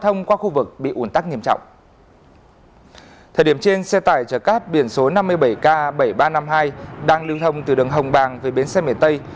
tổng vụ đường bộ yêu cầu siết chặt biển số năm mươi bảy k bảy nghìn ba trăm năm mươi hai đang lưu thông từ đường hồng bàng về bến xe miền tây